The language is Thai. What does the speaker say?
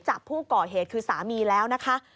จับผู้ก่อเหตุคือสามีแล้วนะคะ